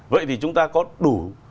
vậy thì chúng ta có đủ